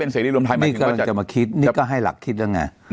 นี่ก็ให้หลักคิดแล้วไง